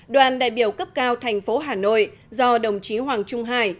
đoàn đại biểu cấp cao thành phố hà nội do đồng chí hoàng trung hải